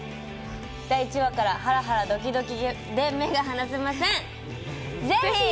第１話からハラハラドキドキで目が離せません。